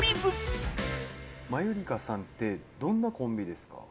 マユリカさんってどんなコンビですか？